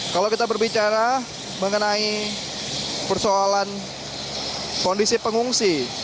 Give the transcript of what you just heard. kalau kita berbicara mengenai persoalan kondisi pengungsi